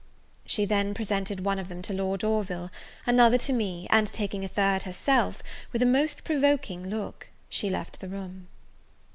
She then presented one of them to Lord Orville, another to me, and taking a third herself, with a most provoking look, she left the room.